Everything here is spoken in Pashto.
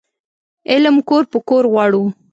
علم کور په کور غواړو